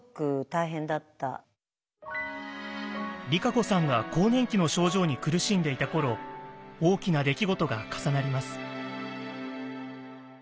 ＲＩＫＡＣＯさんが更年期の症状に苦しんでいた頃大きな出来事が重なります。